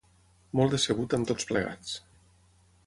Molt decebut amb tots plegats.